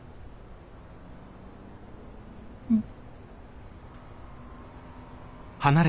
うん。